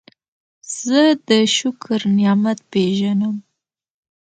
زه د شکر نعمت پېژنم.